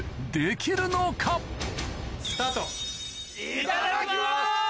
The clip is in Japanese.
・いただきます！